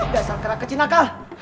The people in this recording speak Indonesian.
dasar kera kecil nakal